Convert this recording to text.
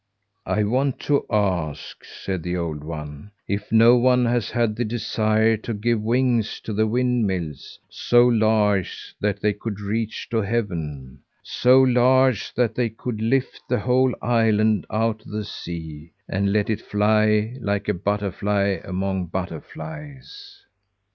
"I want to ask," said the old one, "if no one has had the desire to give wings to the windmills so large that they could reach to heaven, so large that they could lift the whole island out of the sea and let it fly like a butterfly among butterflies."